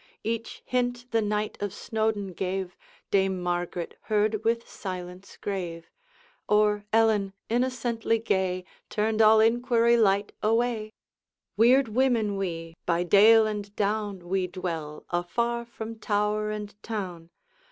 Each hint the Knight of Snowdoun gave, Dame Margaret heard with silence grave; Or Ellen, innocently gay, Turned all inquiry light away: 'Weird women we! by dale and down We dwell, afar from tower and town.